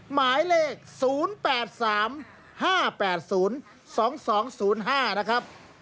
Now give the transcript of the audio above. หมายเลข๐๘๓๕๘๐๒๒๐๕นะครับ